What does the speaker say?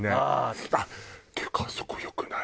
っていうかあそこよくない？